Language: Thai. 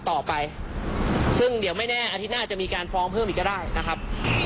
ต่อไปซึ่งเดี๋ยวไม่แน่อาทิตย์หน้าจะมีการฟ้องเพิ่มอีกก็ได้นะครับ